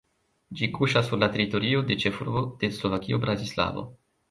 Ĝi kuŝas sur la teritorio de ĉefurbo de Slovakio Bratislavo.